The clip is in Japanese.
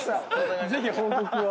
ぜひ報告は。